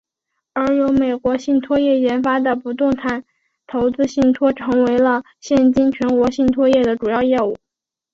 而由美国信托业研发的不动产投资信托成为了现今全球信托业的主要业务。